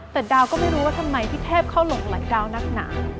แต่ดาวก็ไม่รู้ว่าทำไมพี่เทพเข้าหลงหลายดาวนักหนา